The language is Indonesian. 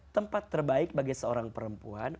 tempat terbaik bagi seorang perempuan